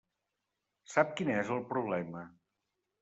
Sap quin és el problema?